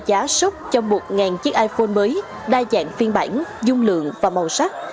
giá sốc cho một chiếc iphone mới đa dạng phiên bản dung lượng và màu sắc